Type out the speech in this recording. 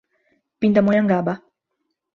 Pindamonhangaba